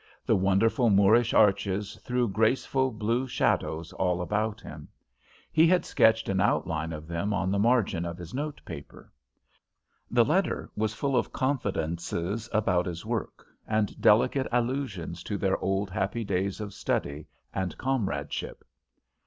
The wonderful Moorish arches threw graceful blue shadows all about him. He had sketched an outline of them on the margin of his note paper. The letter was full of confidences about his work, and delicate allusions to their old happy days of study and comradeship.